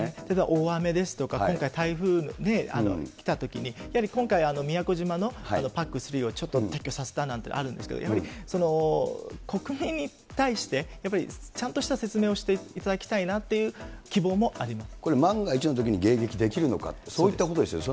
大雨ですとか、今回、台風来たときに、やはり今回、宮古島のＰＡＣ３をちょっと撤去させたなんてあるんですけど、やはり国民に対して、やっぱりちゃんとした説明をしていただきたいなっていう希望もあこれ、万が一のときに迎撃できるのかって、そういったことですよね。